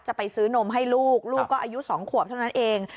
จะไปซื้อนมให้ลูกลูกก็อายุ๒ขวบเท่านั้นเอง